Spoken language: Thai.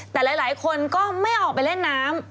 แต่หลายคนก็ไม่ออกไปเล่นน้ำ